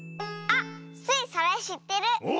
あっスイそれしってる！